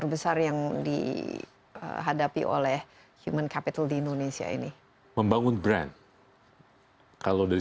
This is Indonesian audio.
terbesar yang dihadapi oleh human capital di indonesia ini membangun brand kalau dari